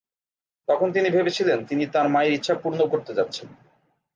তখন তিনি ভেবেছিলেন তিনি তাঁর মায়ের ইচ্ছা পূর্ণ করতে যাচ্ছেন।